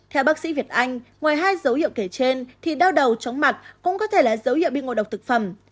theo bác sĩ việt anh ngoài hai dấu hiệu kể trên thì đau đầu chóng mặt cũng có thể là dấu hiệu bị ngộ độc thực phẩm